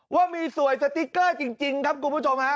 ว่ามีสวยสติ๊กเกอร์จริงครับคุณผู้ชมฮะ